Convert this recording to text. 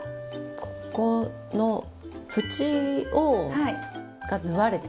ここの縁が縫われてる。